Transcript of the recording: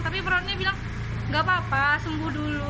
tapi perawatnya bilang tidak apa apa sembuh dulu